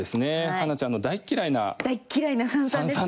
花ちゃんの大嫌いな三々ですね。